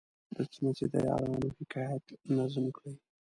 د څمڅې د یارانو حکایت نظم کړی.